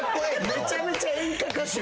めちゃめちゃ演歌歌手やん。